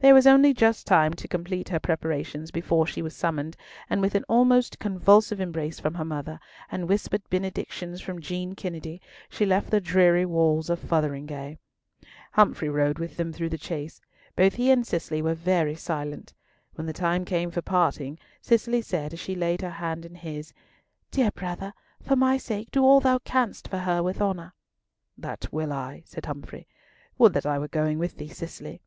There was only just time to complete her preparations before she was summoned; and with an almost convulsive embrace from her mother, and whispered benedictions from Jean Kennedy, she left the dreary walls of Fotheringhay. Humfrey rode with them through the Chase. Both he and Cicely were very silent. When the time came for parting, Cicely said, as she laid her hand in his, "Dear brother, for my sake do all thou canst for her with honour." "That will I," said Humfrey. "Would that I were going with thee, Cicely!"